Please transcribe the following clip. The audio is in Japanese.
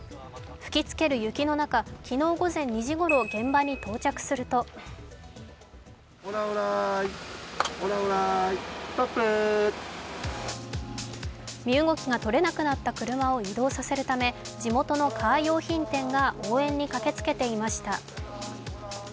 吹きつける雪の中、昨日午前２時頃現場に到着すると身動きがとれなくなった車を移動させるため地元のカー用品店が応援に駆けつけていました。